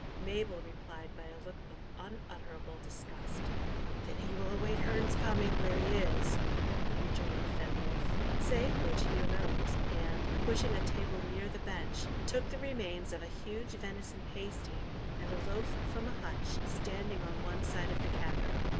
Mabel replied by a look of unutterable disgust. "Then he will await Herne's coming where he is," rejoined Fenwolf. Saying which he arose, and, pushing a table near the bench, took the remains of a huge venison pasty and a loaf from a hutch standing on one side of the cavern.